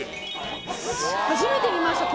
初めて見ました